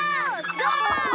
ゴー！